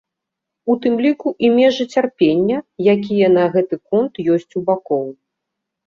У тым ліку і межы цярпення, якія на гэты конт ёсць у бакоў.